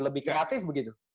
lebih kreatif begitu